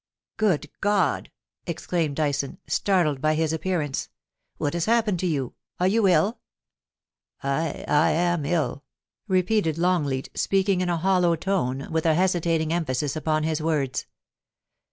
* Good God !' exclaimed Dyson, startled by his appear ance. * \Vhat has happened to you ? Are you ill ?* *I — I am ill,' repeated Longleat, speaking in a hollow tone, with a hesitating emphasis upon his words.